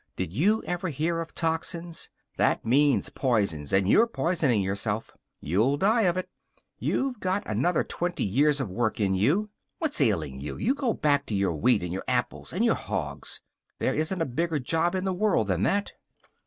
Did you ever hear of toxins? That means poisons, and you're poisoning yourself. You'll die of it. You've got another twenty years of work in you. What's ailing you? You go back to your wheat and your apples and your hogs. There isn't a bigger job in the world than that."